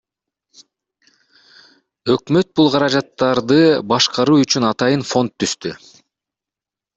Өкмөт бул каражаттарды башкаруу үчүн атайын фонд түздү.